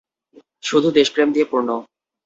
শুধু দেশপ্রেম দিয়ে পূর্ণ!